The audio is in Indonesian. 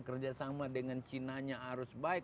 kerjasama dengan china nya harus baik